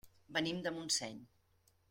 Venim de Montseny.